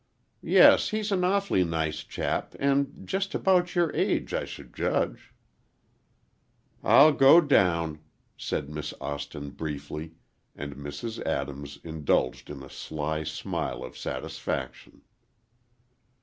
"Yes, he's an awfully nice chap and just about your age, I should judge." "I'll go down," said Miss Austin, briefly, and Mrs. Adams indulged in a sly smile of satisfaction.